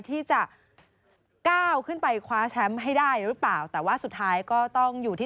ที่จะก้าวขึ้นไปคว้าแชมป์ให้ได้หรือเปล่าแต่ว่าสุดท้ายก็ต้องอยู่ที่